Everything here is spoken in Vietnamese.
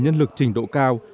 trường trình độ cao